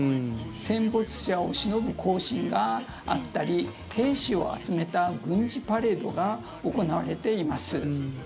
戦没者をしのぶ行進があったり兵士を集めた軍事パレードが行われています。